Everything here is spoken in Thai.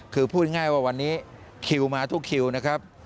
คือพูดง่ายว่าวันนี้คิวมาทุกคิวนะครับ